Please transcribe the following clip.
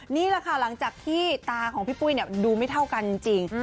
นี่แหละค่ะหลังจากที่ตาของพี่ปุ้ยดูไม่เท่ากันจริง